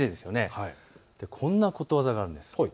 こんなことわざがあるんです。